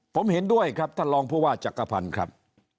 ผมเห็นด้วยครับท่านรองผู้ว่าจักรพันธ์ครับ